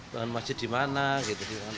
bangun masjid di mana gitu kan